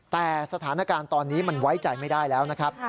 แต่สถานการณ์ตอนนี้มันไว้ใจไม่ได้แล้วนะครับ